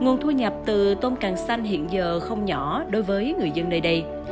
nguồn thu nhập từ tôm càng xanh hiện giờ không nhỏ đối với người dân nơi đây